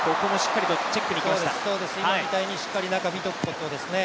今みたいに、しっかり中を見ておくことですね。